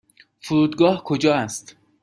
فرودگاه کجا است؟